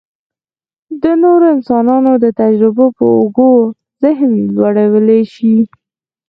د نورو انسانانو د تجربو په اوږو ذهن لوړولی شي.